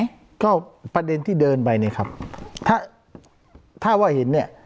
ประเด็นไหนไหมก็ประเด็นที่เดินไปนี่ครับถ้าถ้าว่าเห็นเนี้ย